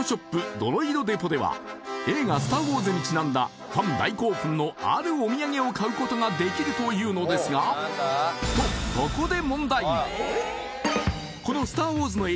ドロイド・デポでは映画「スター・ウォーズ」にちなんだファン大興奮のあるお土産を買うことができるというのですがとここで問題